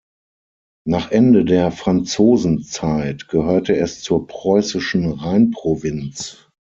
Nach Ende der Franzosenzeit gehörte es zur preußischen Rheinprovinz.